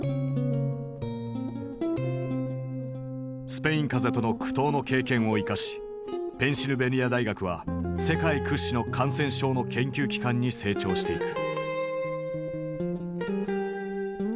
スペイン風邪との苦闘の経験を生かしペンシルベニア大学は世界屈指の感染症の研究機関に成長していく。